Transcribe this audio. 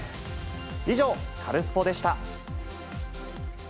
以上、カルスポっ！でした。